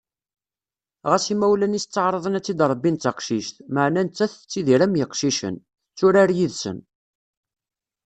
Ɣas imawlan-is ttaεraḍen ad tt-id-rebbin d taqcict, meɛna nettat tettidir am yiqcicen: tetturar yid-sen.